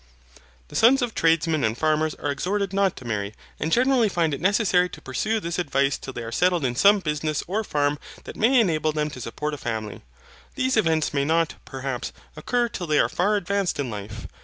The sons of tradesmen and farmers are exhorted not to marry, and generally find it necessary to pursue this advice till they are settled in some business or farm that may enable them to support a family. These events may not, perhaps, occur till they are far advanced in life.